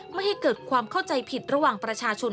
ไม่ให้เกิดความเข้าใจผิดระหว่างประชาชน